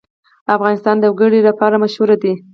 افغانستان د وګړي لپاره مشهور دی.